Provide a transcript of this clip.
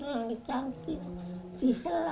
inilah yang terkejut dari bunda saya